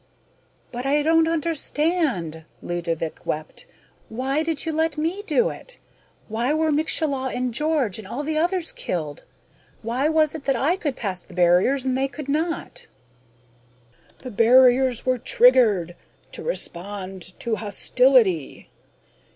"But I don't understand!" Ludovick wept. "Why did you let me do it? Why were Mieczyslaw and George and all the others killed? Why was it that I could pass the barriers and they could not?" "The barriers were triggered ... to respond to hostility....